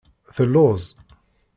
Telluẓ.